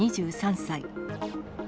２３歳。